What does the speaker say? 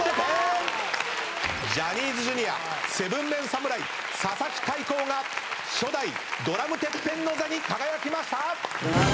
ジャニーズＪｒ．７ＭＥＮ侍佐々木大光が初代ドラムＴＥＰＰＥＮの座に輝きました！